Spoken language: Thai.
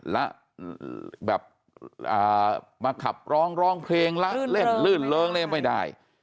และแบบมาขับร้องร้องเพลงละเล่นลื่นเริงเล่นไม่ได้